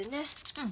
うん。